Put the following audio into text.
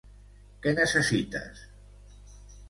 Què necessites?